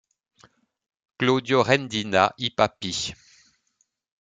Claudio Rendina, I Papi.